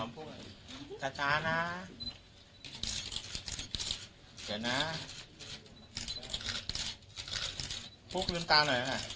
พี่จริงนะครับ